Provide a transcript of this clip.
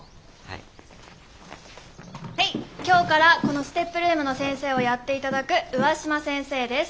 今日からこのＳＴＥＰルームの先生をやっていただく上嶋先生です。